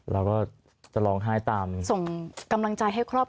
เราก็จะลองห้ายตามส่งกำลังใจให้ครอบ